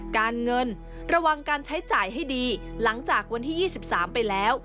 การเงินระวังการใช้จ่ายให้ดีหลังจากวันที่๒๓ไปแล้ว